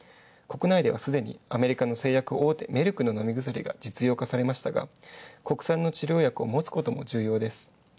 国内ではすでにアメリカの製薬大手、メルクの飲み薬が実用化されましたが、国産の治療薬を持つことも重要です。